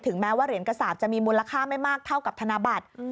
แม้ว่าเหรียญกระสาปจะมีมูลค่าไม่มากเท่ากับธนบัตร